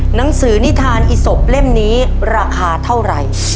หนังสือนิทานอีศพเล่มนี้ราคาเท่าไหร่